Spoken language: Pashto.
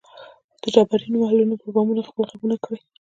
د ډبرینو محلونو پر بامونو خپل ږغونه کري